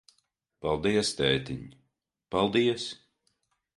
Paldies, tētiņ, paldies.